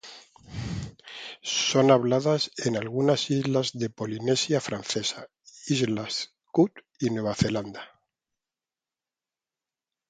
Son habladas en algunas islas de Polinesia Francesa, islas Cook y Nueva Zelanda.